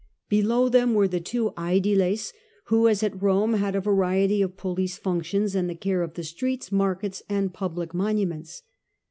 Below them were the two cediles, who, as at Rome, had a variety of police functions and the care of the streets, *' markets, and public monuments.